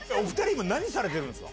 今、何されてるんですか？